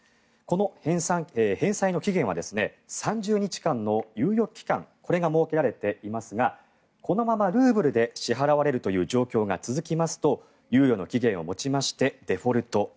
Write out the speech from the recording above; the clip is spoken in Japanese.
この返済の期限は３０日間の猶予期間これが設けられていますがこのままルーブルで支払われるという状況が続きますと猶予の期限を持ちましてデフォルト